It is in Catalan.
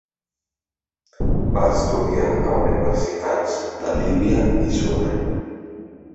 Va estudiar a universitats de Líbia i Sudan.